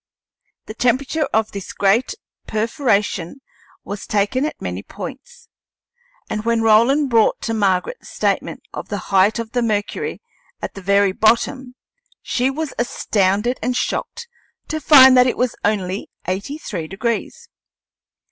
The temperature of this great perforation was taken at many points, and when Roland brought to Margaret the statement of the height of the mercury at the very bottom she was astounded and shocked to find that it was only eighty three degrees.